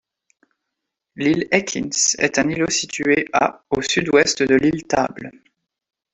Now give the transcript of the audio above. L'île Ekins est un îlot situé à au sud-ouest de l'île Table.